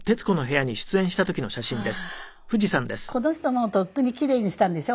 この人もうとっくにキレイにしたんでしょ？